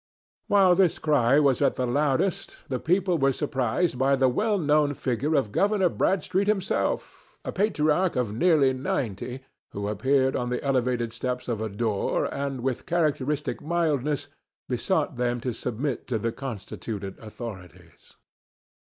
While this cry was at the loudest the people were surprised by the well known figure of Governor Bradstreet himself, a patriarch of nearly ninety, who appeared on the elevated steps of a door and with characteristic mildness besought them to submit to the constituted authorities.